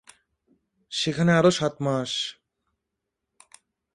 সেখানে আরো সাত মাস।